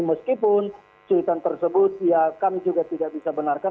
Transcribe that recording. meskipun cuitan tersebut ya kami juga tidak bisa benarkan